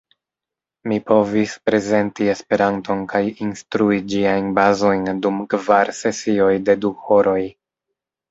Mi povis prezenti Esperanton kaj instrui ĝiajn bazojn dum kvar sesioj de du horoj.